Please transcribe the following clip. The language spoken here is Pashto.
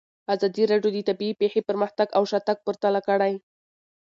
ازادي راډیو د طبیعي پېښې پرمختګ او شاتګ پرتله کړی.